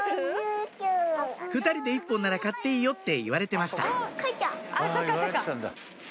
「２人で１本なら買っていいよ」って言われてましたそうかそうか。